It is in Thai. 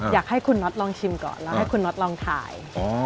อยากให้คุณน็อตลองชิมก่อนแล้วให้คุณน็อตลองถ่าย